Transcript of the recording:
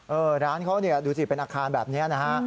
ร้านเขาเนี่ยดูสิเป็นอาคารแบบนี้นะฮะ